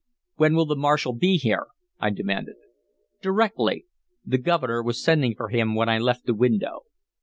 "When will the marshal be here?" I demanded. "Directly. The Governor was sending for him when I left the window.